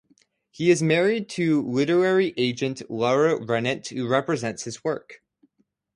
He is married to literary agent Laura Rennert, who represents his work.